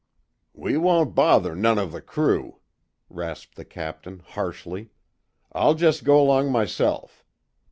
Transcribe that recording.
"We won't bother none of the crew," rasped the Captain, harshly. "I'll jest go 'long myself.